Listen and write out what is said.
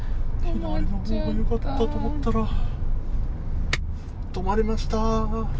隣のほうがよかったと思ったら止まりました。